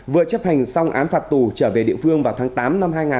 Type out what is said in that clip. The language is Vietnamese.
vừa chấp hành xong án phạt tù trở về địa phương vào tháng tám năm hai nghìn hai mươi